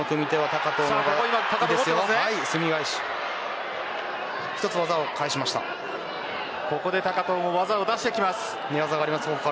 高藤も技を出してきます。